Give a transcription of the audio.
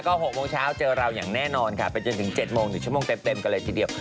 ก็๖โมงเช้าเจอเราอย่างแน่นอนค่ะไปจนถึง๗โมง๑ชั่วโมงเต็มกันเลยทีเดียว